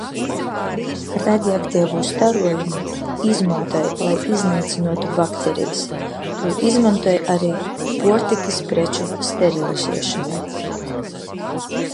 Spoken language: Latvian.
Radioaktīvo starojumu izmanto lai iznīcinātu baktērijas, to izmanto arī pārtikas preču sterilizēšanai.